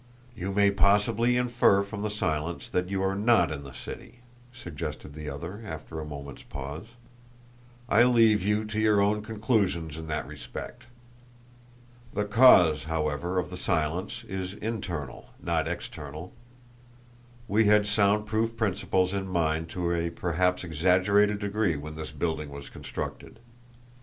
"You may possibly infer from the silence that you are NOT in the city," suggested the other, after a moment's pause. "I leave you to your own conclusions in that respect. The cause, however, of the silence is internal, not external; we had sound proof principles in mind to a perhaps exaggerated degree when this building was constructed.